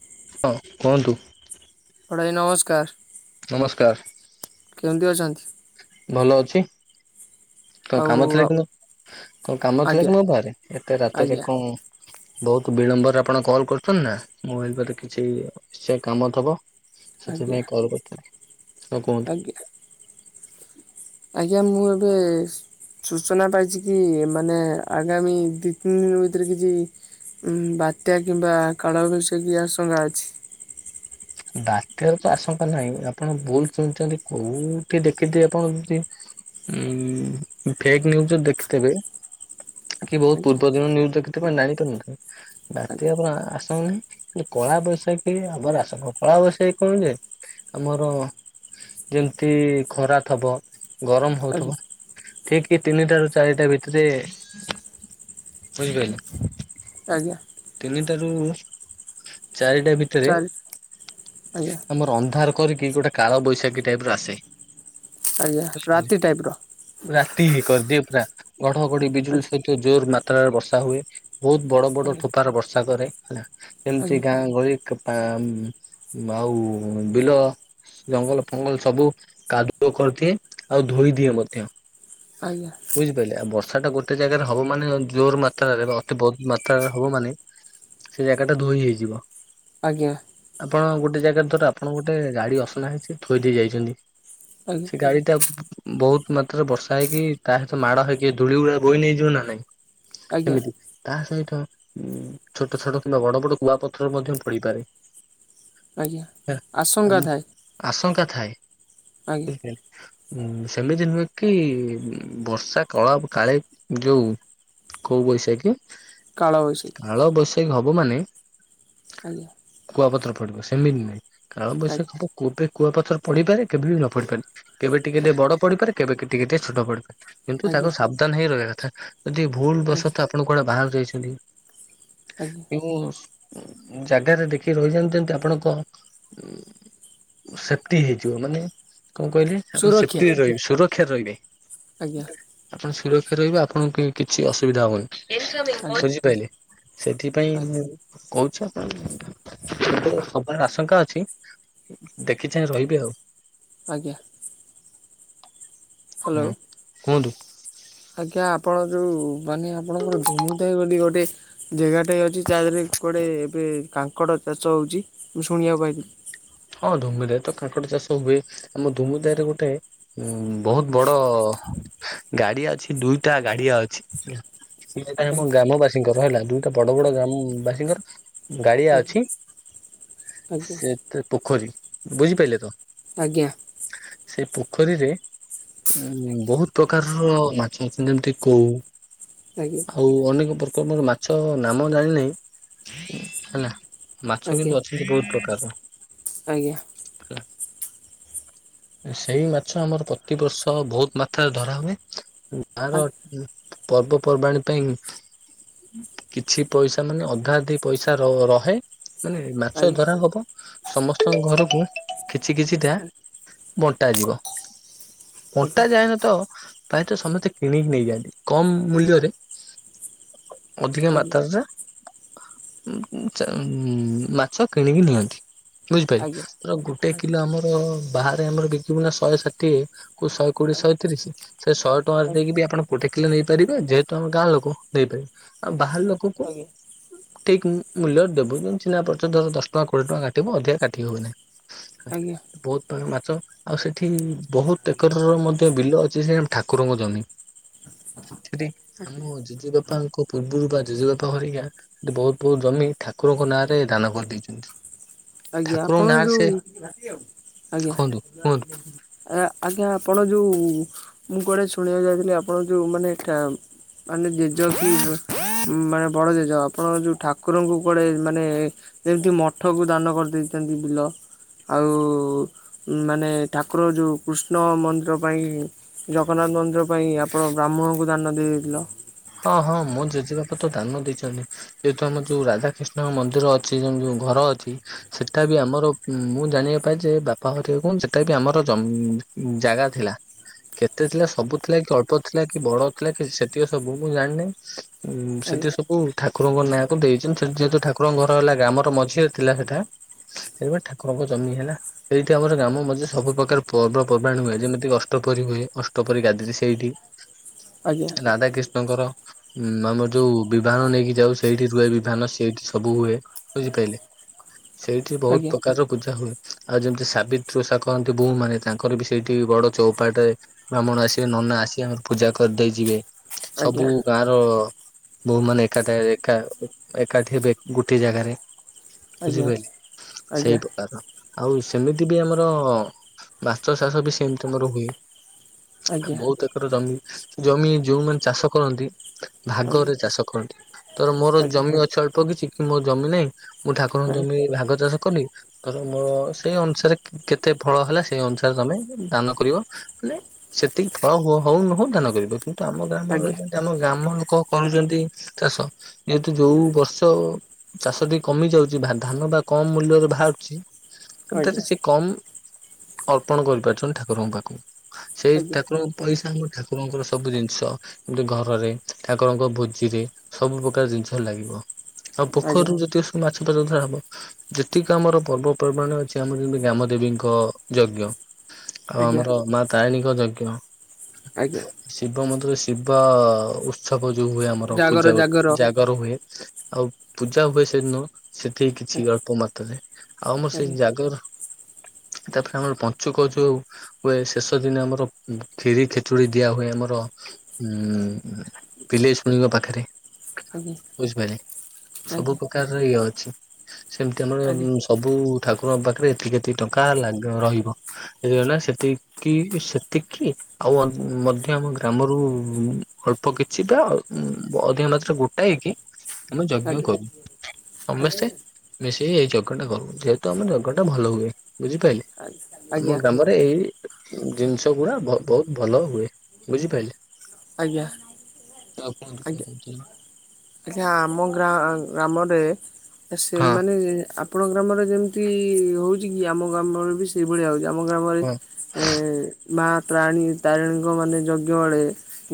ହା ହଁ କୁହନ୍ତୁ। ବଡ ଭାଇ ନମସ୍କାର। ନମସ୍କାର। କେମିତି ଅଛନ୍ତି? ଭଲ ଅଛି। କଣ ଆଉ କାମ ଥିଲା କି ମୋ କଣ କାମ ଥିଲା ଆଜ୍ଞା କି ମୋ ପାଖରେ ଏତେ ରାତିରେ ଆଜ୍ଞା କଣ ବୋହୁତ ବିଳମ୍ବରେ ଆପଣ କଲ କରୁଛନ୍ତି ନା ମୁଁ ଭାବିଲି ବୋଧେ କିଛି ନିଶ୍ଚୟ କାମ ଥବ। ଆଜ୍ଞା ସେଥିପାଇଁ କଲ୍ କରିଥିଲେ ଆଉ କୁହନ୍ତୁ। ଆଜ୍ଞା ଆଜ୍ଞା ମୁଁ ଏବେ ସ୍ ସୂଚନା ପାଇଛି କି ମାନେ ଆଗାମୀ ଦିଇତିନ ଦିନ ଭିତରେ କିଛି ଉଁ ବାତ୍ୟା କିମ୍ବା କାଳ ବୈଷାଖି ଆଶଙ୍କା ଅଛି। ବାତ୍ୟାର ତ ଆଶଙ୍କା ନାହିଁ ଆପଣ ଭୁଲ ଶୁଣିୁଚନ୍ତି କୋଉଠି ଦେଖିଥିବେ ଆପଣ [unintelligible] ଉଁ ଫେକ୍ ନ୍ୟୁଜରେ ଦେଖିଥିବେ କି ବୋହୁତ ଆଜ୍ଞା ପୂର୍ବ ଦିନ ନ୍ୟୁଜ ଦେଖିଥିବେ [unintelligible] ବାତ୍ୟା ଆଜ୍ଞା ହବାର ଆ ଆସଙ୍କା ଇଏ କଳା ବୈଶାଖୀ ହବାର ଆଶଙ୍କା ଅ କାଳା ବୈଶାଖି କଣ ଯେ ଆମର ଯେମତି ଖରା ଥବ ଗରମ ଆଜ୍ଞା ହୋଉଥୁବ। ଠିକ କି ତିନିଟାରୁ ଚାରିଟା ଭିତରେ ବୁଝିପାଇଲ? ଆଜ୍ଞା। ତିନିଟାରୁ ଚାରିଟା ଭିତରେ ଚାରି ଆଜ୍ଞା। ଆମର ଅନ୍ଧାର କରିକି ଗୋଟେ କାଳବୈଶାଖୀ ଟାଇପର ଆସେ। ଆଜ୍ଞା ବୁଝିପାରିଲେ ରାତି ଟାଇପର। ରାତି ଏଇ କରିଦିଏ ପୁରା ଘଡ ଘଡିି ବିଜୁଳି ଆଜ୍ଞା ସହିତ ଜୋର ମାତ୍ରାରେ ବର୍ଷା ହୁଏ। ବୋହୁତ ବଡ ବଡ ଆଜ୍ଞା ଠୋପାର ବର୍ଷା କରେ ହେଲା ଆଜ୍ଞା ଯେମତି ଗାଁ ଗହଳି ପା ଆଉ ବିଲ ଜଙ୍ଗଲ ଫଙ୍ଗଲ ସବୁ କାଦୁଅ କରିଦିଏ ଆଉ ଧୋଇ ଦିଏ ମଧ୍ୟ। ଆଜ୍ଞା। ବୁଝିପାଇଲେ ଆଉ ବର୍ଷାଟା ଗୋଟେ ଜାଗାରେ ହବ ମାନେ ଜୋର ମାତ୍ରାରେ ବା ଅତି ବୋହୁତ ମାତ୍ରାରେ ହବ ମାନେ ସେ ଜାଗାଟା ଧୋଇ ହେଇଯିବ। ଆଜ୍ଞା। ଆପଣ ଗୋଟେ ଜାଗାରେ ଧର ଆପଣଙ୍କୁ ଗୋଟେ ଗାଡ଼ି ଅସନା ହେଇଚି ଥୋଇଦେଇ ଯାଇଚନ୍ତି ଆଜ୍ଞା। ସେ ଗାଡିଟା ବୋହୁତ ମାତ୍ରାରେ ବର୍ଷା ହେଇକି ତା ସହିତ ମାଡ଼ ହେଇକି ଧୂଳି ଗୁଡା ବୋହି ନେଇଯିବ ନା ନାଇଁ। ଆଜ୍ଞା କେମିତି? ତା ସହିତ ଉଁ ଛୋଟ ଛୋଟ କିମ୍ବା ବଡ ବଡ କୁଆପଥର ମଧ୍ୟ ପଡିପାରେ। ଆଜ୍ଞା। ଆଶଙ୍କା ଥାଏ ଆଶଙ୍କା ଥାଏ ଆଜ୍ଞା ବୁଝିପାଇଲେ। ଉଁ ସେମିତି ନୁହେଁ କି ଉଁ ବର୍ଷା କଳା କାଳେ ଯୋଉ କୋଉ ବୈଶାଖୀ? କାଳ ବୈଶାଖୀ। କାଳ ବୈଶାଖୀ ହବ ମାନେ ଆଜ୍ଞା। କୁଆପଥର ପଡିବ ସେମିତି ନାହିଁ କାଳ ଆଜ୍ଞା ବୈଶାଖୀ ହବ କୋବେ କୂଆ ପଥର ପଡ଼ିପାରେ କେବେ ବି ନ ପଡ଼ିପାରେ କେବେ ଟିକେ ଟିକେ ବଡ଼ ପଡ଼ିପାରେ କେବେ ଟିକେ ଟିକେ ଛୋଟ ପଡ଼ିପାରେ। କିନ୍ତୁ ତାକୁ ଆଜ୍ଞା ସାବଧାନ ହେଇ ରହିବା କଥା ଯଦି ଭୁଲ ଆଜ୍ଞା ବଶତ ଆପଣ କୁଆଡ଼େ ବାହାରକୁ ଯାଇଛନ୍ତି ଆଜ୍ଞା। କେଉଁ ଜାଗାରେ ଦେଖି ରହିଯାଆନ୍ତେନି? ଆପଣଙ୍କ ସେଫ୍ଟୀ ହେଇଯିବ ମାନେ କଣ କହିଲେ? ଆପଣ ସୁରକ୍ଷା ସେଫ୍ଟୀ ରେ ରହିବି ସୁରକ୍ଷା ରେ ରହିବେ। ଆଜ୍ଞା ଆପଣ ସୁରକ୍ଷା ରହିବେ ଆପଣଙ୍କୁ କି କିଛି ଅସୁବିଧା ହବନି। ଆଜ୍ଞା ଖୋଜି ପାଇଲି ସେଥିପାଇଁ ଆଜ୍ଞା [unintelligible] ସବାର ଆଶଙ୍କା ଅଛି ଦେଖିଚାହିଁ ରହିବେ ଆଉ। ଆଜ୍ଞା। ହୁଁ ହ୍ୟାଲୋ। କୁହନ୍ତୁ ଆଜ୍ଞା ଆପଣ ଯୋଉ ମାନେ ଆପଣଙ୍କର ଧୁମୁଧାଇ ବୋଲି ଗୋଟେ ଯେଗାଟାଏ ଅଛି ଯାହା ଦେହରେ କୁଆଡ଼େ ଏବେ କାଙ୍କଡ଼ ଚାଷ ହଉଛି ମୁ ଶୁଣିବାକୁ ପାଇଥିଲି। ହଁ ଧୁମୁଧାୟ ତ କାଙ୍କଡ଼ ଚାଷ ହୁଏ ଆମ ଧୁମୁଧାୟ ରେ ଗୋଟେ ବହୁତ ବଡ଼ ଗାଡ଼ିଆ ଅଛି ଦୁଇଟା ଗାଡ଼ିଆ ଅଛି। ସେଏଟା ଆମ ପାଇଥିଲି ଗ୍ରାମବାସୀଙ୍କର ହେଲା ଦୁଇଟା ବଡ଼ ବଡ଼ ଗ୍ରାମ ବାସୀଙ୍କର ଗାଡ଼ିଆ ଅଛି ଆଜ୍ଞା ସେ ତ ପୋଖରୀ ବୁଝିପାରିଲେ ତ? ଆଜ୍ଞା। ସେ ପୋଖରୀରେ ବହୁତ ପ୍ରକାରର ମାଛ ଅଛନ୍ତି ଯେମିତି କୋଉ। ଆଜ୍ଞା। କୋଉ ଅନେକ ପ୍ରକପର ମାଛ ନାମ ଜାଣିନାହିଁ ହେଲା ମାଛ ଆଜ୍ଞା ଆଜ୍ଞା କିନ୍ତୁ ଅଛି। ବହୁତ ପ୍ରକାରର। ଆଜ୍ଞା। [inaudible] ସେଇ ମାଛ ଆମର ପ୍ରତିବର୍ଷ ବହୁତ ମାତ୍ରାରେ ଧରା ହୁଏ ଆଜ୍ଞା ଆର ପର୍ବପର୍ବାଣିୀ ପାଇଁ କିଛି ପଇସା ମାନେ ଅଧା ଅଧି ପଇସା ରହେ ମାନେ ଆଜ୍ଞା ଆଜ୍ଞା ଆଜ୍ଞା ଆଜ୍ଞା ମାଛ ଧରା ହବ ସମସ୍ତଙ୍କ ଘରକୁ କିଛି କିଛିଟା ଆଜ୍ଞା ବଣ୍ଟାଯିବ। ବଣ୍ଟା ଯାଏନି ତ ପ୍ରାୟ ତ ସମସ୍ତେ କିଣିକି ନେଇଯାଆନ୍ତି କମ୍ ମୂଲ୍ୟରେ ଅଧିକା ମାତାରାରେ ମାଛ କିଣିକି ନିଅନ୍ତି। ବୁଝିପାରିଲେ ତ ଗୋଟେ କିଲୋ ଆମର ବାହାରେ ଆମର ବିକିବୁ ନା ଶହେ ଷାଠିଏ କୁ ଶହେ କୋଡ଼ିଏ ଶହେ ତିରିଶ ସେ ଶହେ ଟଙ୍କାରେ ଦେଇକି ବି ଆପଣ ଗୋଟେ କିଲୋ ନେଇପାରିବେ ଯେହେତୁ ଆମ ଗାଁ ଲୋକ ଦେଇପାରିବେ ଆଉ ବାହାର ଲୋକ ଲୋକ କୁ ଠିକ ମୂଲ୍ୟ ଦେବୁ ଚିହ୍ନା ପରିଚିତ ଧର ଦଶ ଟଙ୍କା କୋଡ଼ିଏ ଟଙ୍କା କା ଟିବ ଅଧିକା କାଟି ହୁଏନା ଆଜ୍ଞା ଆଜ୍ଞା ବହୁତ ପ୍ରଳ ମାଛ ଆଉ ସେଠି ବହୁତ ଏକର ର ମଧ୍ୟ ବିଲ ଅଛି ସେ ଠାକୁରଙ୍କ ଜମି। ସେଠି ଆମ ଜେଜେବାପାଙ୍କ ପୂର୍ବରୁ ବା ଜେଜେବାପା ହରିକା ସେଠି ବହୁତ ବହୁତ ଜମି ଠାକୁରଙ୍କ ନାଁ ରେ ଦାନ କରିଦେଇଛନ୍ତି। ଆଜ୍ଞା ଠାକୁରଙ୍କ ଆପଣ ନାଁରେ ସେ ଯୋଉ ଆଜ୍ଞା କୁହନ୍ତୁ କୁହନ୍ତୁ ଆ ଆଜ୍ଞା ଆପଣ ଯୋଉ ମୁଁ କୁଆଡ଼େ ଶୁଣିବାକୁ ଯାଇଥିଲି ଆପଣ ଯୋଉ ମାନେ ଏଟା [unintelligible] ମାନେ ବଡ଼ ଜେଜ ଆପଣଙ୍କ ଯୋଉ ଠାକୁରଙ୍କୁ କୁଆଡ଼େ ମାନେ ଏମିତି ମଠକୁ ଦାନ କରିଦେଇଚନ୍ତି ବିଲ ଆଉ ମାନେ ଠାକୁର ଯୋଉ କୃଷ୍ଣ ମନ୍ଦିର ପାଇଁ ଜଗନ୍ନାଥ ମନ୍ଦିର ପାଇଁ ଆପଣ ବ୍ରାହ୍ମଣଙ୍କୁ ଦାନ ଦେଇ ଦେଇଥିଲ। ହଁ ହଁ ମୋ ଜେଜେ ବାପା ତ ଦାନ ଦେଇଛନ୍ତି। ଯେହେତୁ ଆମର ଯୋଉ ରାଧାକୃିଷ୍ଣଙ୍କ ମନ୍ଦିର ଅଛି ଯୋଉ ଘର ଅଛି ସେଟା ବି ଆମର ମୁଁ ଜାଣିବା ପାଇଁ ଲି ଯେ ବାପା ଘର କଣ ସେଟା ବି ଆମର ଜମ୍ ଜାଗା ଥିଲା କେତେ ଥିଲା ସବୁ ଥିଲା କି ଅଳ୍ପ ଥିଲା କି ବଡ ଥିଲା କି ସେଠି ସବୁ ମୁଁ ଜାଣିନି। ଉଁ ଆଜ୍ଞା ସେଠି ସବୁ ଠାକୁରଙ୍କ ନାଁକୁ ଦେଇଛନ୍ତି ସେଠ ଯେହେତୁ ଠାକୁରଙ୍କ ଘର ହେଲା ଗ୍ରାମର ମଝିରେ ଥିଲା ସେଟା ସେଥିପ ଠାକୁରଙ୍କ ଜମି ହେଲା। ସେଇଠି ଆମର ଗାମ ମଧ୍ୟରେ ସବୁ ପ୍ରକାର ପର୍ବପର୍ବାଣି ହୁଏ ଯେମିତି କି ଅଷ୍ଟପରୀ ହୁଏ ଅଷ୍ଟପରୀ ଗାଦି ବି ସେଇଠି। [inaudible] ରାଧାକିଷ୍ଣଙ୍କର ଉଁ ଆମର ଯୋଉ ବିଭହାନ ନେଇକି ଯାଉ ସେଇଠି ରୁହେ ବିଭହାନ ସେଇଠି ସବୁ ହୁଏ ବୁଝିପାଇଲେ। ସେଇଠି ବହୁତ ଆଜ୍ଞା। ପ୍ରକାର ପୂଜା ହୁଏ ଆଉ ଯେମିତି ସାବିତ୍ରୀ ଓଷା କରନ୍ତି ବୋଉ ମାନେ ତାଙ୍କର ବି ସେଇଠି ବଡ ଚଉପାଟ ବ୍ରାହ୍ମଣ ଆସିବେ ନନା ଆସିକେ ଆମ ପୂଜା କରିଦେଇ ଯିବେ ସବୁ ଗାଁ ର ବୋଉ ମାନେ ଏକାଠ ଏକା ଏକାଠି ହେବେ ଗୋଟେ ଜାଗାରେ ଆଜ୍ଞା ବୁଝିପାଇଲେ ଆଜ୍ଞା ଆଜ୍ଞା ସେଇ ପକାର। ଆଉ ସେମିତି ବି ଆମର ମାଛ ଚାଷ ବି ସେମିତି ଆମର ହୁଏ। ଆଜ୍ଞା ଆଜ୍ଞା ବହୁତ ଏକର ଜମି ଜମି ଯୋଉମାନେ ଚାଷ କରନ୍ତି ଆଜ୍ଞା ଭାଗରେ ଚାଷ କରନ୍ତି ତର ମୋର ଜମି ଅଛି ଅଳ୍ପ କିଛି କି ମୋ ଜମି ନାହିଁ ମୁଁ ଠାକୁରଙ୍କୁ ଆଜ୍ଞା ଜମି ଭାଗ ଚାଷ କଲି ଧର ମୋ ସେଇ ଅନୁସାରେ କେତେ ଫଳ ହେଲା ସେଇ ଅନୁସାରେ ତମେ ଦାନ କରିବ। ହେଲେ ସେତିକି ଫଳ ହୋ ହଉ ନହଉ ଦାନ କରିବ କିନ୍ତୁ ଆମ ଗ୍ରାମର ଯେ ଯେ ଆମ ଗ୍ରାମ ଲୋକ କରୁଛନ୍ତି ଚାଷ ଯେହେତୁ ଯୋଉ ବର୍ଷ ଚାଷ ଟିକେ କମି ଯାଉଛି ଭା ଧାନ ବା କମ ମୂଲ୍ୟରେ ବାହାରୁଛି କିନ୍ତୁ ଆଜ୍ଞା ଆଜ୍ଞା ଏଟା ସେ କମ ଅର୍ପଣ କରିପାରୁଛନ୍ତି ଠାକୁରଙ୍କ ପାଖକୁ। ସେଇ ଠାକୁରଙ୍କ ପଇସା ଆମ ଠାକୁରଙ୍କର ସବୁ ଜିନିଷ କିମତି ଘରରେ ଠାକୁରଙ୍କ ଭୋଜିରେ ସବୁ ପ୍ରକାର ଜିନିଷ ଲାଗିବ। ଆଉ ଆଜ୍ଞା ଆଜ୍ଞା ପୋଖରୀରୁ ଜେତିକ ସବୁ ମାଛ ଧ ଧରା ହବ ଯେତିକ ଆମର ପର୍ବପର୍ବାଣି ଅଛି ଆମର ଯେମିତି ଗ୍ରାମଦେବୀଙ୍କ ଯଜ୍ଞ ଆଉ ଆଜ୍ଞା। ଆମର ମା ତାରିଣୀଙ୍କ ଯଜ୍ଞ ଆଜ୍ଞା। ଶିବ ମନ୍ଦିର ଶିବ ଉତ୍ସବ ଯୋଉ ହୁଏ ଆମର ଜାଗର ପୂଜା ଗୋ ଜାଗର ଜା ଗର ହୁଏ ଆଉ ପୂଜା ହୁଏ ସେଦିନ ସେଠି କିଛି ଅଳ୍ପ ମାତ୍ରାରେ ଆଉ ମର ସେଇ ଆଜ୍ଞା ଜାଗର ତାପରେ ଆମର ପଞ୍ଚୁକ ଯୋଉ ହୁଏ ଶେଷ ଦିନେ ଆମର ଖିରି ଖେଚୁଡି ଦିଆ ହୁଏ ଆମର ହୁଁ ପିଲେଇ ଶୁଣିବ ପାଖରେ। ଆଜ୍ଞା ବୁଝିପାଇଲେ ସବୁ ଆଜ୍ଞା ପ୍ରକାରର ଇଏ ଅଛି ସେମିତି ଆମର ଆଜ୍ଞା ସବୁ ଠାକୁରଙ୍କ ପାଖରେ ଏତିକି ଏତିକି ଟଙ୍କା ହେଲା ଗ ରହିବ। ଯେ ନା ସେତିକି ସେତିକି ଆଉ ଅନ୍ ମଧ୍ୟ ଆମ ଗ୍ରାମରୁ ଉ ଅଳ୍ପ କିଛି ବା ଉଁ ଅଧିକା ମାତ୍ରା ଗୋଟା ହେଇକି ଆମେ ଯଜ୍ଞ ଆଜ୍ଞା କରୁ। ଆଜ୍ଞା ସମସ୍ତେ ମିଶିକି ଏଇ ଯଜ୍ଞ ଟା କରୁ ଯେହେତୁ ଆମ ଯଜ୍ଞ ଟା ଭଲ ହୁଏ ବୁଝିପାଇଲେ। ଆମ ଆଜ୍ଞା ଆଜ୍ଞା ଗ୍ରାମରେ ଏଇ ଜିନିଷ ଗୁଡା ବହ ବହୁତ ଭଲ ହୁଏ ବୁଝିପାଇଲେ। ଆଜ୍ଞା। [inaudible] ଆଜ୍ଞା ଆମ ଗ୍ରା ଗ୍ରାମରେ ଅ ହଁ ସେମାନେ ଯ ଆ ପଣ ଗ୍ରାମରେ ଯେମିତି ହୋଉଛି କି ଆମ ଗ୍ରାମରେ ବି ସେ ଇଭଳିଆ ହେଉଛି ଆମ ଗ୍ରାମରେ ହଁ ଏଁ ମା ତ୍ରାଣୀ ତାରିଣୀଙ୍କ ମାନେ ଯଜ୍ଞ ବେଳେ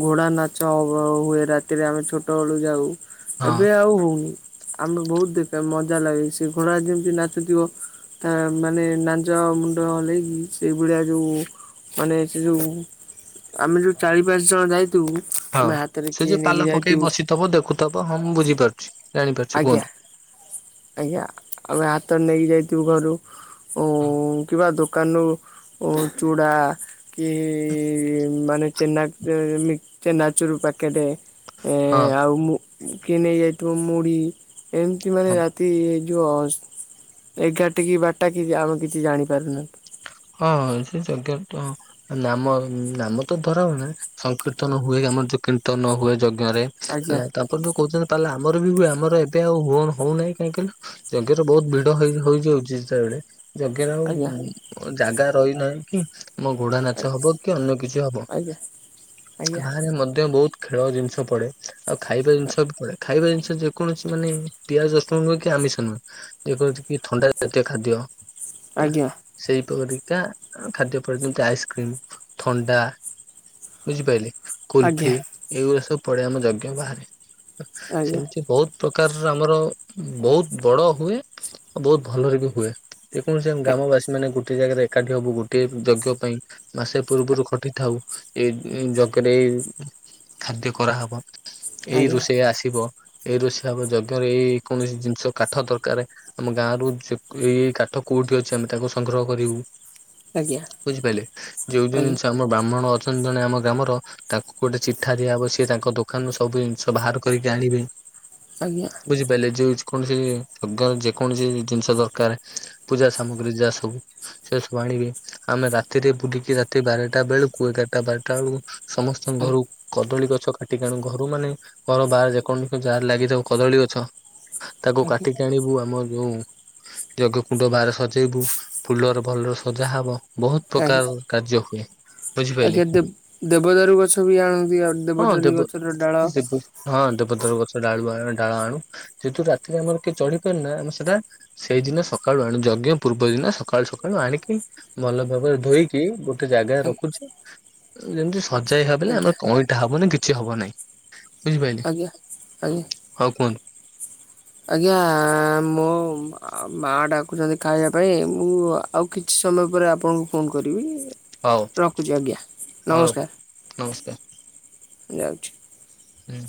ଘୋଡା ନାଚ ହବ ହୁଏ ରାତିରେ ଆମେ ଛୋଟ ବେଳୁ ଯାଉ ହଁ ଏବେ ଆଉ ହଉନି। ଆମ ବହୁତ ଦେଖା ମଜା ଲାଗେ ସେ ଘୋଡା ଯେମିତି ନାଚୁଥିବ ଏ ମାନେ ନାଞ୍ଜ ମୁଣ୍ଡ ହଲେଇକି ସେଇ ଭଳିଆ ଯୋଉ ମାନେ ସେ ଯୋଉ ଆମେ ଯୋଉ ଚାରି ପାଞ୍ଚ ଜଣ ଯାଇଥିବୁ ହଁ ଆମେ ହାତରେ ସେ କିଏ ଯୋଉ ନେଇକି ପାଲ ପକେଇ ଯାଇଥିବୁ ବସିଥିବ ଦେଖୁଥିବ ହଁ ମୁଁ ବୁଝିପାରୁଛି। ଜାଣିପାରୁଛି ଆଜ୍ଞା କୁହନ୍ତୁ ଆଜ୍ଞା ଆମେ ହାତରେ ନେଇକି ଯାଇଥିବୁ ଘରୁ ଓ କିବା ଦୋକାନରୁ ଉ ଚୁଡ଼ା କି ମାନେ ଚେନା ମି ଚେନାଚୁରୁ ପାକେଟେ ଏ ହଁ ଆଉ ମୁ କିଣି ଯାଇଥିବୁ ମୁଢି ଏମିତି ମାନେ ହଁ। ରାତି ଯିବ ଏଗାରଟା କି ବାରଟା କି ଆମେ କିଛି ଜାଣିପାରୁନୁ। ହଁ ସେ [unintelligible] ନାମ ନାମ ତ ଧରା ହୁଏନା ସଂକୀର୍ତ୍ତନ ହୁଏ ଆମର ଯେ କୀର୍ତ୍ତନ ନ ହୁଏ ଯ ଘରେ ଆଜ୍ଞା ହେଲା ତାପରେ ତ କୋଉଚନ୍ତି ତାଲେ ଆମର ବି ହୁଏ ଆମର ଏବେ ଆଉ ହୁଅର ହଉନାହିଁ କାହିଁକିି କଇଲ ଯଜ୍ଞରେ ବହୁତୁ ଭିଡ ହେଇ ହେଇଯାଉଚି ଯେତବେଳେ ଯଜ୍ଞ ର ଆଜ୍ଞା ଆଉ ଜାଗା ରଇନାଅଁ କି? ଆମ ଘୋଡା ନାଚ ହବ କି ଅନ୍ୟ କିଛି ହବ ଆଜ୍ଞା ଆଜ୍ଞା ବାହାରେ ମଧ୍ୟ ବହୁତ୍ ଖେଳ ଜିନିଷ ପଡେ ଆଉ ଖାଇବା ଜିନିଷ ବି ପଡେ ଖାଇବା ଜିନିଷ ଯେକୌଣସି ମାନେ ପିଆଜ [unintelligible] ନୁହେଁ କି ଆମିଷ ନୁହେଁ [unintelligible] ଥଣ୍ଡା ଜାତୀୟ ଖାଦ୍ୟ ହେଲା। ଆଜ୍ଞା ସେଇ ପରିକା ଖାଦ୍ୟ ପରେ ଯେମିତି ଆଇସ୍କ୍ରିମ୍ ଥଣ୍ଡା ବୁଝିପାଇଲେ ଆଜ୍ଞା କୁଲଫି ଏଇଗୁରା ସବୁ ପଡେ ଆମ ଯଜ୍ଞ ବାହାରେ ଆଜ୍ଞା ଆଜ୍ଞା ସେମିତି ବହୁତ ପ୍ରକାରର ଆମର ବହୁତ ବଡ଼ ହୁଏ। ଆଉ ବହୁତ ଭଲରେ ବି ହୁଏ ଯେକୌଣସି ଆମ ଗ୍ରାମବାସୀ ମାନେ ଗୋଟିଏ ଜାଗାରେ ଏକାଠି ହବୁ ଗୋଟିଏ ଯଜ୍ଞ ପାଇଁ। ମାସେ ପୂର୍ବୁରୁ ଖଟିଥାଉ ଏ [unintelligible] ରେ ଏଇ ଖାଦ୍ୟ କରାହବ। ଏଇ ଆଜ୍ଞା ରୋଷେଇଆ ଆସିବ ଏଇ ରୋଷେଇ ହବ ଯଜ୍ଞରେ ଏଇ କୌଣସି ଜିନିଷ କାଠ ଦରକାର ଆମ ଗାଁ ରୁ ଯେ ଏଇ ଏଇ କାଠ କୋଉଠି ଅଛି ଆମେ ତାକୁ ସଂଗ୍ରହ କରିବୁ ଆଜ୍ଞା ଆଜ୍ଞା ବୁଝିପାଇଲେ ଯୋଉ ଯୋଉ ଜିନିଷ ଆମ ବ୍ରାହ୍ମଣ ଅଛନ୍ତି ଜଣେ ଆମ ଗ୍ରାମର ତାକୁ ଗୋଟେ ଚିଠା ଦିଆହବ ସିଏ ତାଙ୍କ ଦୋକାନରୁ ସବୁ ଜିନିଷ ବାହାର କରିକି ଆଣିବେ। ଆଜ୍ଞା। ବୁଝିପାରିଲେ ଯେଉ କୌଣସି ଯଜ୍ଞ ଯେକୌଣସି ଜିନିଷ ଦରକାର ପୂଜା ସାମଗ୍ରୀ ଯା ସବୁ ସେ ସବୁ ଆଣିବେ ଆମେ ରାତିରେ ବୁଲିକି ରାତି ବାରଟା ବେଳୁକୁ ଏଗାରଟା ବାରଟା ବେଳକୁ ସମସ୍ତଙ୍କ ଘରୁ କଦଳୀ ଗଛ କାଟିିକି ଆଣୁ ଘରୁ ମାନେ ଘର ବାହାରେ ଯେକୌଣସି ଯାହାର ଲାଗିଥାଉ କଦଳୀ ଗଛ ତାକୁ ଆଜ୍ଞା କାଟିକି ଆଣିବୁ ଆମ ଯୋଉଁ ଯଜ୍ଞ କୁଣ୍ଡ ବାହାରେ ସଜେଇବୁ। ଫୁଲର ଭଲରେ ସଜା ହବ ବହୁତ ଆଜ୍ଞା ପ୍ରକାର କାର୍ଯ୍ୟ ହୁଏ। ବୁଝିପାରିଲେ ଆଜ୍ଞା ଦେବ୍ ଦେବଦାରୁ ଗଛ ବି ଆଣନ୍ତି ଆଉ ହଁ ଦେବଦାରୀ ଦେବ ଗଛର ଡାଳ ଦେବ ହଁ ଦେବଦାରୁ ଗଛ ର ଡାଳୁଆ ଡାଳ ଆଣୁ। ସେଠୁ ରାତିରେ ଆମର କିଏ ଚଢିପାରୁ ନା ଆମ ସେଟା ସେଇ ଦିନ ସକାଳୁ ଆଣୁ ଯଜ୍ଞ ପୂର୍ବ ଦିନ ସ ସକାଳୁ ସକାଳୁ ଆଣିକି ଭଲ ଭାବରେ ଧୋଇକି ଗୋଟେ ଜାଗାରେ ରଖୁଚି। ଯେମିତି ସଜାଇ ହେବେଲେ ଆଜ୍ଞା ଆମର କଇଁଠା ହବ ନି କିଛି ହବ ନାହିଁ। ବୁଝିପାଇଲେ ଆଜ୍ଞା ଆଜ୍ଞା ହଉ କୁହନ୍ତୁ। ଆଜ୍ଞା ମୋ ମା ଡାକୁଚନ୍ତି ଖାଇବା ପାଇଁ ମୁଁ ଆଉ କିଛି ସମୟ ପରେ ଆପଣଙ୍କୁ ଫୋନ କରିବି। ହଉ ରଖୁଚି ଆଜ୍ଞା ହଉ ରଖ ନମସ୍କାର ଯାଉଚି। ହୁଁ।